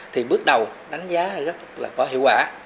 thì bước đầu đánh giá rất là có hiệu quả